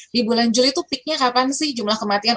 di bulan juli itu peaknya kapan sih jumlah kematian